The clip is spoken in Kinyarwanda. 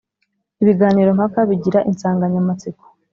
Ibiganiro mpaka bigira insanganyamatsiko